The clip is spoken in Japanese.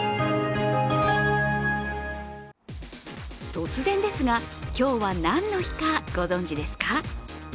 突然ですが、今日は何の日かご存じですか？